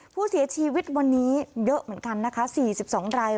ผู้เสียชีวิตวันนี้เยอะเหมือนกันนะคะ๔๒ราย